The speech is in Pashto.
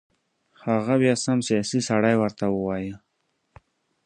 هغه بیا سم سیاسي سړی ورته ووایو.